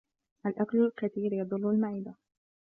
الْأَكْلُ الْكَثِيرُ يَضُرُّ الْمَعِدَةَ.